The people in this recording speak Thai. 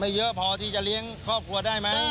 เยอะพอที่จะเลี้ยงครอบครัวได้ไหม